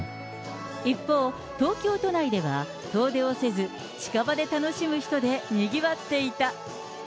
一方、東京都内では遠出をせず、近場で楽しむ人でにぎわっていた。